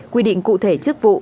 quy định cụ thể chức vụ